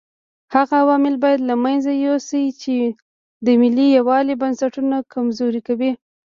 هغه عوامل باید له منځه یوسو چې د ملي یووالي بنسټونه کمزوري کوي.